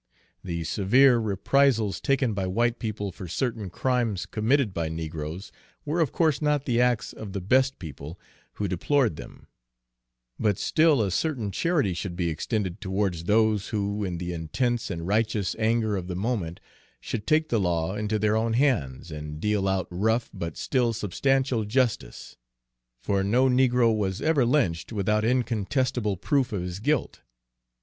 The severe reprisals taken by white people for certain crimes committed by negroes were of course not the acts of the best people, who deplored them; but still a certain charity should be extended towards those who in the intense and righteous anger of the moment should take the law into their own hands and deal out rough but still substantial justice; for no negro was ever lynched without incontestable proof of his guilt.